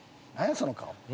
その顔」